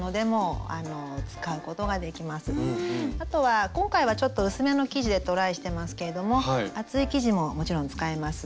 あとは今回はちょっと薄めの生地でトライしてますけれども厚い生地ももちろん使えます。